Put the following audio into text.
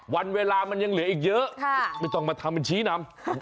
วันเวลามันยังเหลืออีกเยอะไม่ต้องมาทำเป็นชี้นำ